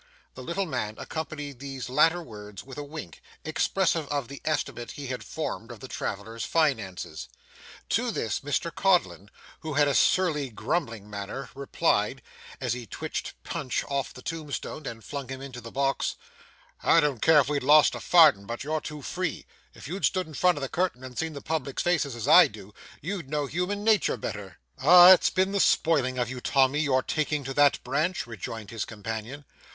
The little man accompanied these latter words with a wink, expressive of the estimate he had formed of the travellers' finances. To this Mr Codlin, who had a surly, grumbling manner, replied, as he twitched Punch off the tombstone and flung him into the box, 'I don't care if we haven't lost a farden, but you're too free. If you stood in front of the curtain and see the public's faces as I do, you'd know human natur' better.' 'Ah! it's been the spoiling of you, Tommy, your taking to that branch,' rejoined his companion.